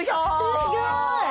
すギョい！